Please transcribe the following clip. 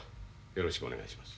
よろしくお願いします。